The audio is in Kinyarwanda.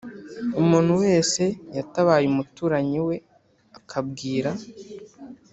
Umuntu wese yatabaye umuturanyi we akabwira